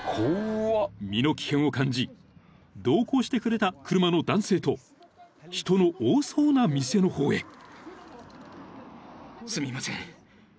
［身の危険を感じ同行してくれた車の男性と人の多そうな店の方へ］